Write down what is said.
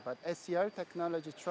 tetapi truk teknologi scr